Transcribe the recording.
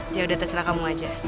yaudah terserah kamu aja